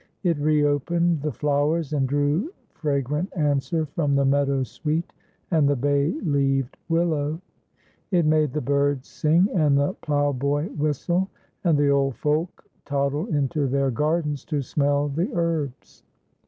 It reopened the flowers, and drew fragrant answer from the meadow sweet and the bay leaved willow. It made the birds sing, and the ploughboy whistle, and the old folk toddle into their gardens to smell the herbs.